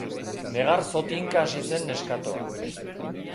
Negar zotinka hasi zen neskatoa.